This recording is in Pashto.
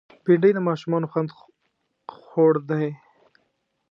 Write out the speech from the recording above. بېنډۍ د ماشومانو خوند خوړ دی